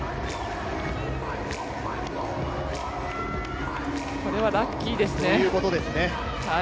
あれはラッキーですね。